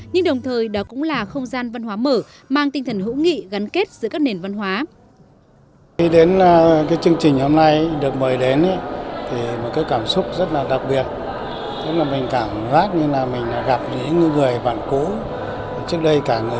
nhưng đồng thời đó cũng là không gian văn hóa mở mang tinh thần hữu nghị gắn kết giữa các nền văn hóa